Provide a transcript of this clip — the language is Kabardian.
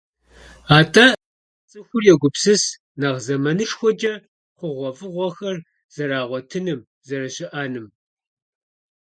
АтӀэ цӀыхур йогупсыс нэхъ зэманышхуэкӀэ хъугъуэфӀыгъуэхэр зэрагъуэтыным, зэрыщыӀэным.